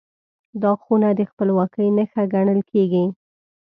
دا خونه د خپلواکۍ نښه ګڼل کېږي.